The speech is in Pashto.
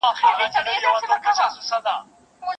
یک تنها مو تر منزله رسېده دي